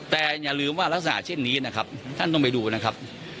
แต่อย่าลืมว่ารักษณะเช่นนี้นะครับท่านต้องไปดูนะครับ